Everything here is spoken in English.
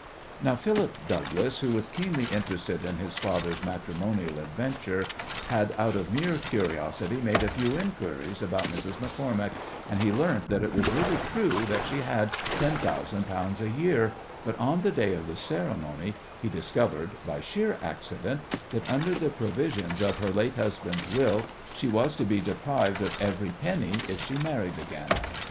Now, Philip Douglas, who was keenly interested in his father's matrimonial adventure, had out of mere curiosity made a few inquiries about Mrs. MacCormack, and he learnt that it was really true that she had ten thousand pounds a year, but on the day of the ceremony he discovered by sheer accident that under the provisions of her late husband's will she was to be deprived of every penny if she married again.